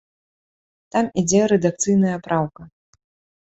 Там ідзе рэдакцыйная праўка.